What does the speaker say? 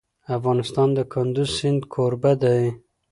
افغانستان د کندز سیند کوربه دی.